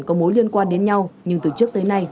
có mối liên quan đến nhau nhưng từ trước tới nay